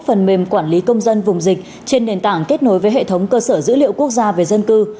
phần mềm quản lý công dân vùng dịch trên nền tảng kết nối với hệ thống cơ sở dữ liệu quốc gia về dân cư